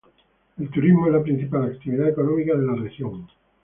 El turismo es la principal actividad económica de la región.